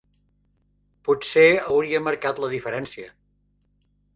Potser hauria marcat la diferència.